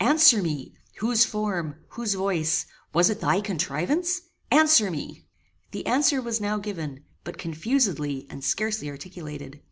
"Answer me; whose form whose voice was it thy contrivance? Answer me." The answer was now given, but confusedly and scarcely articulated.